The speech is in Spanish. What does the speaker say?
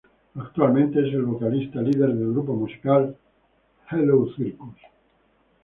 Actualmente, es la vocalista líder del grupo musical Halo Circus.